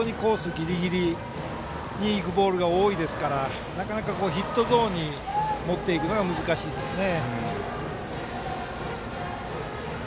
ぎりぎりにいくボールが多いですからなかなかヒットゾーンに持っていくのが難しいですね。